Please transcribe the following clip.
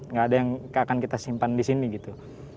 nggak ada yang akan kita simpan di sini gitu